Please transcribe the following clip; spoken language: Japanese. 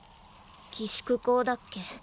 寄宿校だっけ？